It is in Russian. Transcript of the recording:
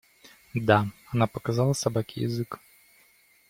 Да! – Она показала собаке язык.